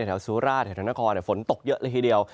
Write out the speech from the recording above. สุราชแถวนครฝนตกเยอะเลยทีเดียว